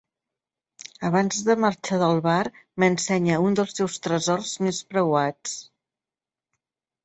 Abans de marxar del bar, m'ensenya un dels seus tresors més preuats.